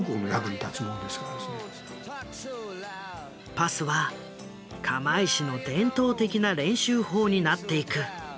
パスは釜石の伝統的な練習法になっていく。